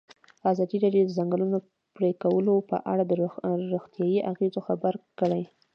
ازادي راډیو د د ځنګلونو پرېکول په اړه د روغتیایي اغېزو خبره کړې.